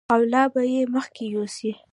او لا به یې مخکې یوسي.